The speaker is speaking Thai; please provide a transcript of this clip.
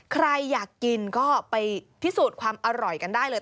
ใครอยากกินก็ไปพิสูจน์ความอร่อยกันได้เลย